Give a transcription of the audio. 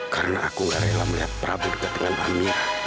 karena aku nggak rela melihat prabu dekat dengan amira